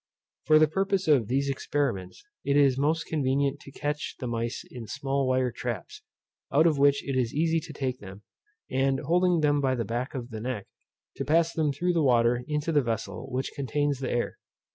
For the purpose of these experiments it is most convenient to catch the mice in small wire traps, out of which it is easy to take them, and holding them by the back of the neck, to pass them through the water into the vessel which contains the air.